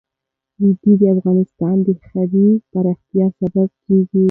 وادي د افغانستان د ښاري پراختیا سبب کېږي.